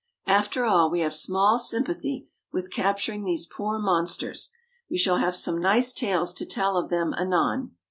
After all, we have small sympathy with capturing these poor monsters. We shall have some nice tales to tell of them anon.